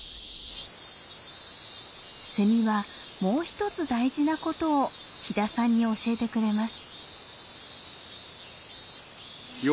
セミはもう一つ大事なことを飛田さんに教えてくれます。